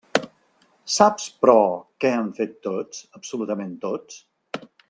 Saps, però, què han fet tots, absolutament tots?